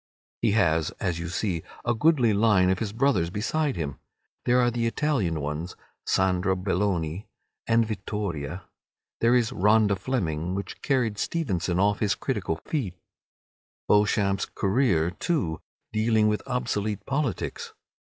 He has, as you see, a goodly line of his brothers beside him. There are the Italian ones, "Sandra Belloni," and "Vittoria"; there is "Rhoda Fleming," which carried Stevenson off his critical feet; "Beauchamp's Career," too, dealing with obsolete politics.